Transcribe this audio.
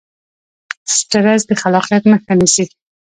سټرس د خلاقیت مخه نیسي.